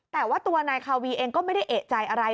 แต่ว่าตัวนายคาวีเองก็ไม่ได้เอกใจอะไร